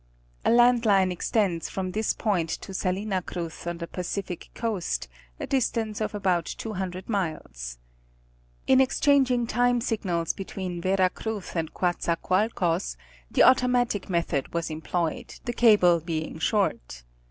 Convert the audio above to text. A land line extends from this point to Salina Cruz on the Pacific coast, a distance of about two hundred miles. In exchanging time signals between Vera Cruz and Coatzacoalcos, the automatic method was employed, the cable being short.